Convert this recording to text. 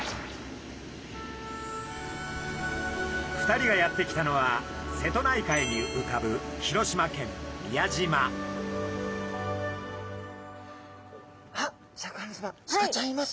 ２人がやって来たのは瀬戸内海にうかぶあっシャーク香音さま